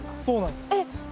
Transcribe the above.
そうなんです。